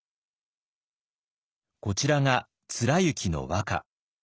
こちらが貫之の和歌。